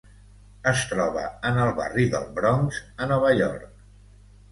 Es troba en el barri del Bronx, a Nova York.